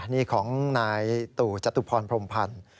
นี่ของนายตู่จตุพรพรมพันธ์